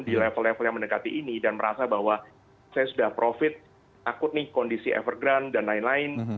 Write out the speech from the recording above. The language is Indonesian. di level level yang mendekati ini dan merasa bahwa saya sudah profit takut nih kondisi evergran dan lain lain